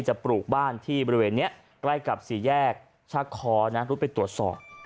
ปลูกบ้านที่บริเวณนี้ใกล้กับสี่แยกชะคอนะรุดไปตรวจสอบ